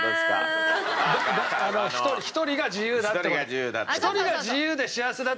１人１人が自由だって事。